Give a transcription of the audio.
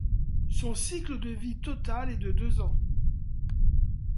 Son cycle de vie total est de deux ans.